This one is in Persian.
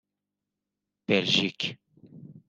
بلژیک